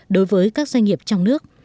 đối với các doanh nghiệp trong nước